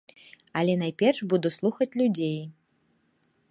Але найперш буду слухаць людзей.